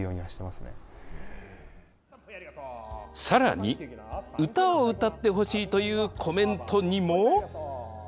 さらに、歌を歌ってほしいというコメントにも。